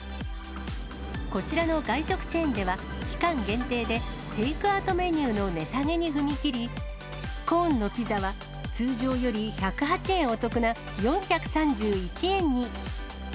こちらの外食チェーンでは、期間限定でテイクアウトメニューの値下げに踏み切り、コーンのピザは通常より１０８円お得な４３１円に。